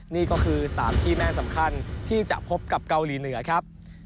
นี่ก็คือ๓ที่แม่สำคัญที่จะพบกับเกาหลีเหนือครับ